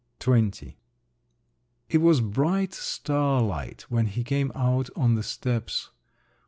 XX It was bright starlight when he came out on the steps.